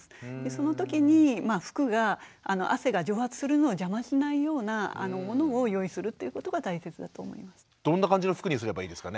その時に服が汗が蒸発するのを邪魔しないようなものを用意するということが大切だと思います。